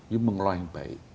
you mengelola yang baik